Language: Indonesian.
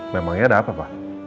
memangnya ada apa pak